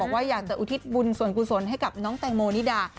บอกว่าอย่าแต่อุทิศบุญสวนคุณสวนให้กับน้องแตงโมนิดา